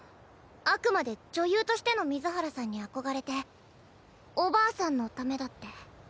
あくまで女優としての水原さんに憧れておばあさんのためだって。